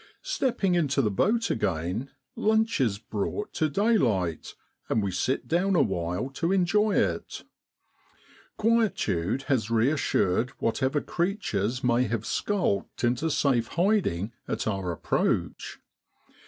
Stepping into the boat again lunch is brought to daylight, and we sit down awhile to enjoy it. Quietude has reassured whatever creatures may have skulked into safe hiding at our approach.